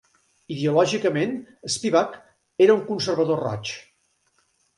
Ideològicament, Spivak era un conservador roig.